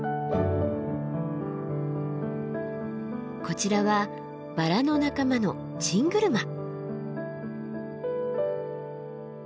こちらはバラの仲間のチングルマ。